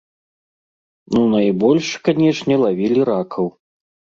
Ну, найбольш, канечне, лавілі ракаў.